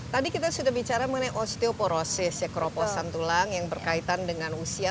tadi kita sudah bicara mengenai osteoporosis ya keroposan tulang yang berkaitan dengan usia